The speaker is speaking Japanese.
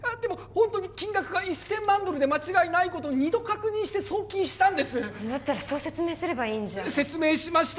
本当に金額が１千万ドルで間違いないことを二度確認して送金したんですだったらそう説明すればいいんじゃ説明しました